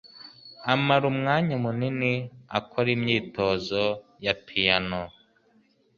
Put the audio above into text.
Amara umwanya munini akora imyitozo ya piyano.